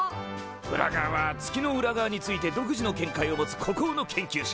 ウラガワは月の裏側について独自の見解を持つ孤高の研究者。